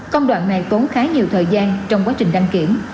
công đoạn này tốn khá nhiều thời gian trong quá trình đăng kiểm